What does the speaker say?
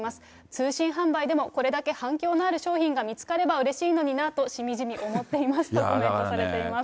通信販売でもこれだけ反響のある商品が見つかればうれしいのになと、しみじみ思っていますとコメントされています。